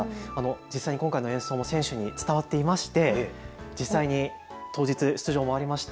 実際に今回の演奏、選手にも伝わっていまして実際に当日出場もありました